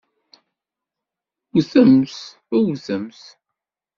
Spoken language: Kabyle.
Wwtemt! Wwtemt!